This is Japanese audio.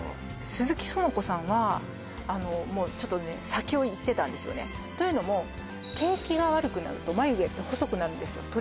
鈴木その子さんはあのもうちょっとね先をいってたんですよねというのも景気が悪くなると眉毛って細くなるんですよ